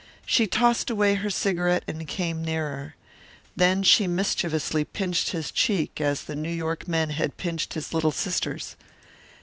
She tossed away her cigarette and came nearer. Then she mischievously pinched his cheek as the New York men had pinched his little sister's.